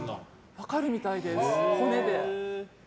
分かるみたいです、骨で。